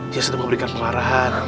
dia sudah memberikan pengarahan